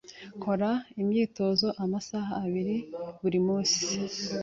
Nkora imyitozo amasaha abiri buri munsi.